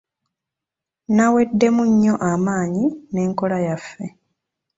Naweddemu nnyo amaanyi n'enkola yaffe.